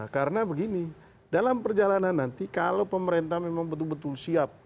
karena begini dalam perjalanan nanti kalau pemerintah memang betul betul siap